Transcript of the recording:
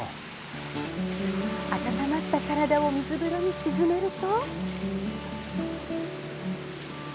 温まった体を水風呂に沈めると。